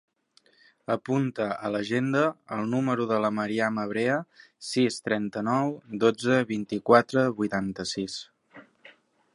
Apunta a l'agenda el número de la Mariama Brea: sis, trenta-nou, dotze, vint-i-quatre, vuitanta-sis.